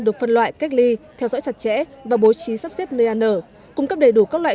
được phân loại cách ly theo dõi chặt chẽ và bố trí sắp xếp nơi ăn ở cung cấp đầy đủ các loại